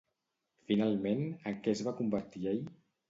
Finalment, en què es va convertir ell?